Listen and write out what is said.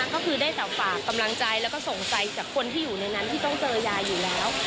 ก็คือได้แต่ฝากกำลังใจแล้วก็ส่งใจจากคนที่อยู่ในนั้นที่ต้องเจอยายอยู่แล้ว